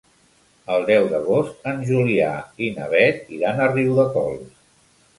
El deu d'agost en Julià i na Beth iran a Riudecols.